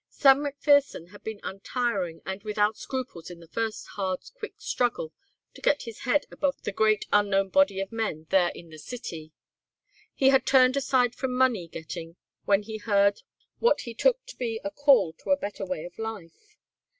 Sam McPherson had been untiring and without scruples in the first hard, quick struggle to get his head above the great unknown body of men there in the city. He had turned aside from money getting when he heard what he took to be a call to a better way of life.